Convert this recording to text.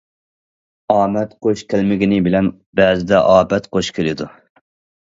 ئامەت قوش كەلمىگىنى بىلەن بەزىدە ئاپەت قوش كېلىدۇ.